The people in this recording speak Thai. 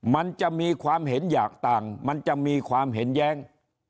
มันจะมีความเห็นอยากต่างมันจะมีความเห็นแย้ง